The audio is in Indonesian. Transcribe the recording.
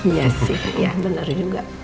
iya sih ya benar juga